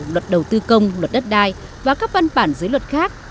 luật đầu tư công luật đất đai và các văn bản dưới luật khác